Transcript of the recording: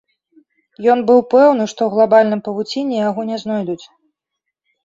Ён быў пэўны, што ў глабальным павуцінні яго не знойдуць.